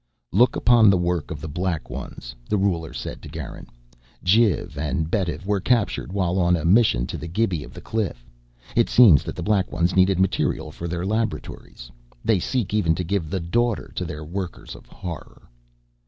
"Look upon the work of the Black Ones," the ruler said to Garin. "Jiv and Betv were captured while on a mission to the Gibi of the Cliff. It seems that the Black Ones needed material for their laboratories. They seek even to give the Daughter to their workers of horror!"